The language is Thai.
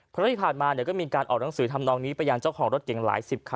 เพราะที่ผ่านมาก็มีการออกหนังสือทำนองนี้ไปยังเจ้าของรถเก่งหลายสิบคัน